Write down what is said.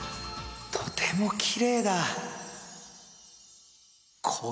とてもきれいだ。